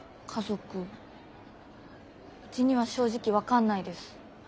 家族うちには正直分かんないです。